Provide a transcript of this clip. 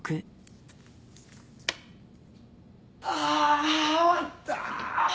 あ終わった。